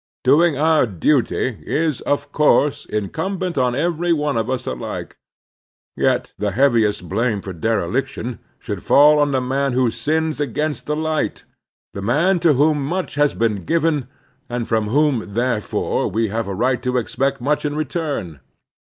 Doing our duty is, of course, incumbent on every one of us alike; yet the heaviest blame for dereliction should fall on the man who sins against the light, the man to whom much has been given, and from whom, therefore, we have a right to expect much in return.